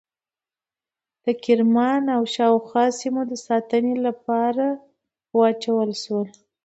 د کرمان او شاوخوا سیمو د ساتنې لپاره واچول شول.